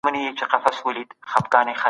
د مخابراتو شبکو پراختیا موندلې وه.